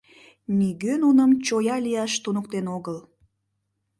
Нигӧ нуным чоя лияш туныктен огыл.